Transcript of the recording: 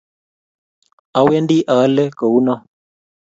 awendi aale kounoo